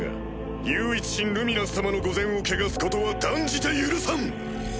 唯一神ルミナス様の御前を汚すことは断じて許さん！